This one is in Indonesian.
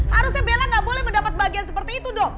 harusnya bella gak boleh mendapat bahagia seperti itu dong